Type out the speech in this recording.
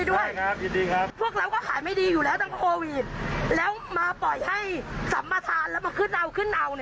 สรรพาทานแล้วมาขึ้นเอาขึ้นเอา